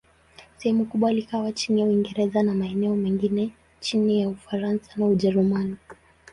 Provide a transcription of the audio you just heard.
Sehemu kubwa likawa chini ya Uingereza, na maeneo mengine chini ya Ufaransa na Ujerumani.